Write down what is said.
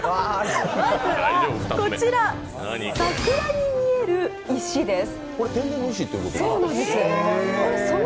まずは、桜に見える石です。